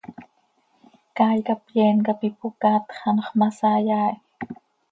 Caay cap yeen cap ipocaat x, anxö ma saai haa hi.